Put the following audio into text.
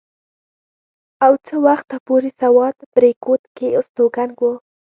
او څه وخته پورې سوات بريکوت کښې استوګن وو